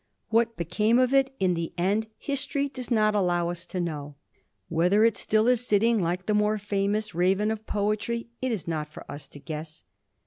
What became of it in the end history does not allow us to know. Whether it still is sitting, like the more famous raven of poetry, it is not for us to guess.